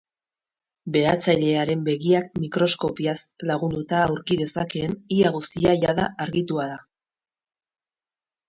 Behatzailearen begiak mikroskopiaz lagunduta aurki dezakeen ia guztia jada argitua da.